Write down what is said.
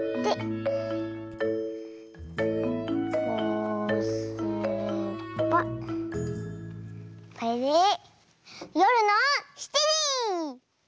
こうすればこれでよるの７じ！